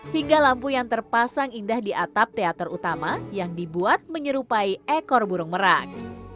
hingga lampu yang terpasang indah di atap teater utama yang dibuat menyerupai ekor burung merak